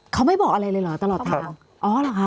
เขาไม่บอกอะไรเลยหรอตลอดทาง